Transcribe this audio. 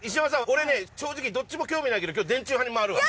俺ね正直どっちも興味ないけど今日電柱派に回るわ。